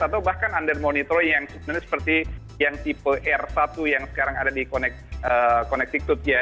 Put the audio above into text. atau yang seperti yang tipe r satu yang sekarang ada di connecticut ya